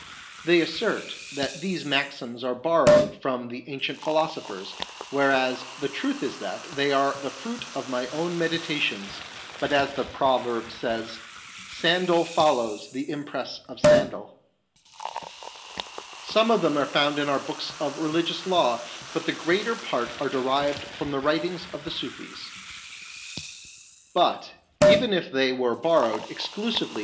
They assert that these maxims are borrowed from the ancient philosophers, whereas the truth is that they are the fruit of my own meditations, but as the proverb says, " Sandal follows the impress of sandal." ' Some of them are found in our books of religious law, but the greater part are derived from the writings of the Sufis. But even if they were borrowed exclusively 1 I.e. There is nothing new under the sun.